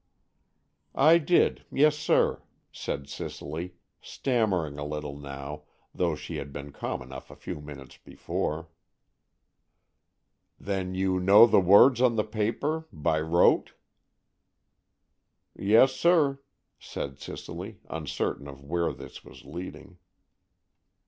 "I did, yes, sir," said Cicely, stammering a little now, though she had been calm enough a few minutes before. "Then you know the words on the paper,—by rote?" "Yes, sir," said Cicely, uncertain of where this was leading.